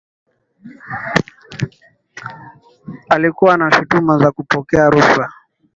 alikuwa na shutuma za kupokea rushwa